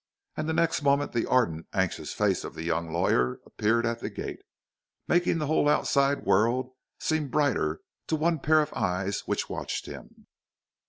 And the next moment the ardent, anxious face of the young lawyer appeared at the gate, making the whole outside world seem brighter to one pair of eyes which watched him.